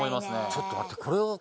ちょっと待ってこれ？